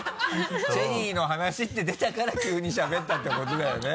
「チェリーの話」って出たから急にしゃべったってことだよね。